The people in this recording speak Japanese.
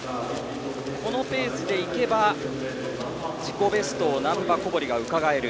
このペースでいけば自己ベストを難波、小堀がうかがえる。